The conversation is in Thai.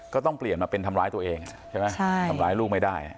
ก็ต้องเปลี่ยนมาเป็นทำร้ายตัวเองใช่ไหมทำร้ายลูกไม่ได้